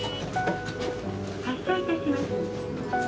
「発車いたします」。